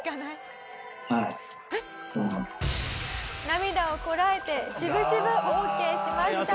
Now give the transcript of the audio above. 「涙をこらえて渋々オーケーしました」